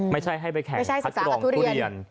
ไม่ใช่ให้ไปแข่งคัดกรองทุเรียน